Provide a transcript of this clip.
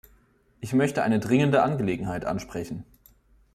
Ich möchte eine dringende Angelegenheit ansprechen.